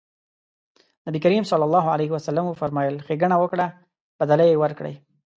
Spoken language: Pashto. نبي کريم ص وفرمایل ښېګڼه وکړه بدله يې ورکړئ.